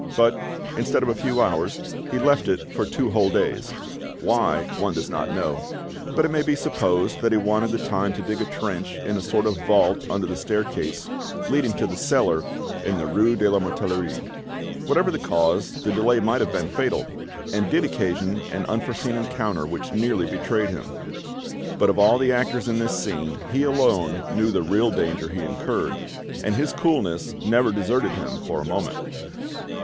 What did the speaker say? But, instead of a few hours, he left it for two whole days—why, one does not know, but it may be supposed that he wanted the time to dig a trench in a sort of vault under the staircase leading to the cellar in the rue de la Mortellerie. Whatever the cause, the delay might have been fatal, and did occasion an unforeseen encounter which nearly betrayed him. But of all the actors in this scene he alone knew the real danger he incurred, and his coolness never deserted him for a moment.